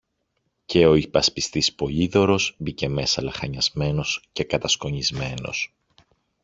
και ο υπασπιστής Πολύδωρος μπήκε μέσα λαχανιασμένος και κατασκονισμένος.